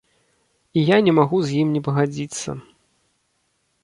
І я не магу з ім не пагадзіцца.